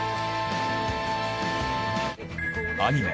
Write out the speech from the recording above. アニメ